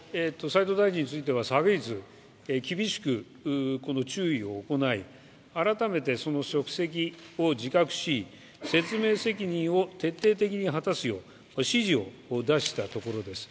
葉梨大臣については昨日、厳しく注意を行い改めて職責を自覚し、説明責任を徹底的に果たすよう指示を出したところです。